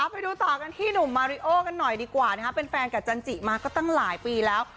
ไปดูต่อกันที่หนุ่มมาริโอกันหน่อยดีกว่าเป็นแฟนกับจันจิมาก็ตั้งหลายปีแล้ว